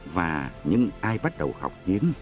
và những ai bắt đầu học tiếng